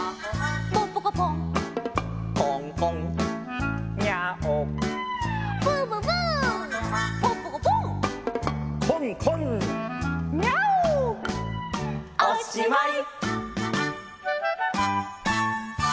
「ポンポコポン」「コンコン」「ニャーオ」「ブブブー」「ポンポコポン」「コンコン」「ニャーオ」おしまい！